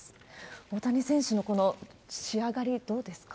大谷選手のこの仕上がり、どうですか？